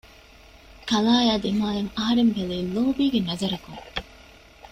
ކަލާއާއި ދިމާއަށް އަހަރެން ބެލީ ލޯބީގެ ނަޒަރުން